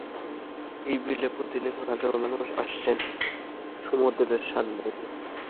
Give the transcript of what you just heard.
এই বিলে প্রতিদিন হাজারো মানুষ আসছেন সমুদ্রের স্বাদ নিতে।